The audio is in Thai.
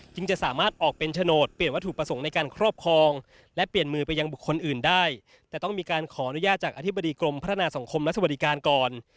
จะสามารถออกเป็นโฉนดเปลี่ยนวัตถุประสงค์ในการครอบครองและเปลี่ยนมือไปยังบุคคลอื่นได้แต่ต้องมีการขออนุญาตจากอธิบดีกรมพัฒนาสังคมและสวัสดิการก่อน